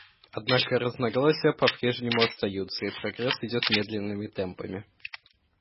Однако разногласия по-прежнему остаются, и прогресс идет медленными темпами.